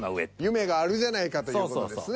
夢があるじゃないかという事ですね。